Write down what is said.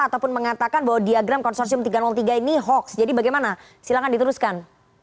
ataupun mengatakan bahwa diagram konsorsium tiga ratus tiga ini hoax jadi bagaimana silahkan diteruskan